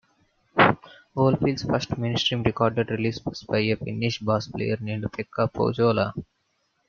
Oldfield's first mainstream recorded release was by a Finnish bass player named Pekka Pohjola.